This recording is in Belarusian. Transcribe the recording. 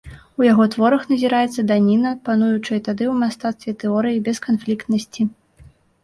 У яго творах назіраецца даніна пануючай тады ў мастацтве тэорыі бесканфліктнасці.